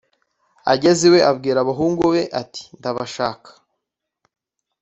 ageze iwe abwira abahungu be ati:ndabashaka